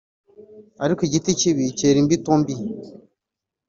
ariko igiti kibi cyera imbuto mbi